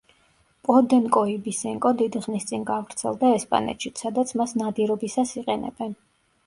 პოდენკო იბისენკო დიდი ხნის წინ გავრცელდა ესპანეთშიც, სადაც მას ნადირობისას იყენებენ.